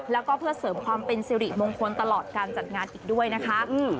แล้วก็เพื่อเสริมความเป็นสิริมงคลตลอดการจัดงานอีกด้วยนะคะ